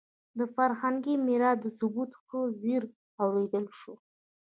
د فرهنګي میراث د ثبت ښه زېری واورېدل شو.